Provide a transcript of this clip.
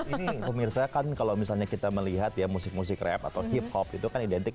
ini pemirsa kan kalau misalnya kita melihat ya musik musik rap atau hip hop itu kan identik